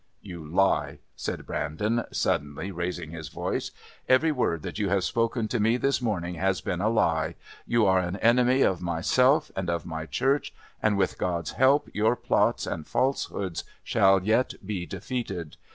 "You lie," said Brandon, suddenly raising his voice. "Every word that you have spoken to me this morning has been a lie. You are an enemy of myself and of my Church, and with God's help your plots and falsehoods shall yet be defeated.